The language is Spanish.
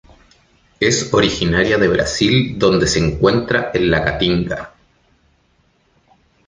Es originaria de Brasil donde se encuentra en la Caatinga.